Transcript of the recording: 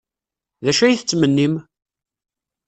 D acu ay tettmennim?